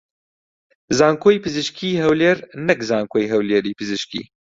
زانکۆی پزیشکیی هەولێر نەک زانکۆی هەولێری پزیشکی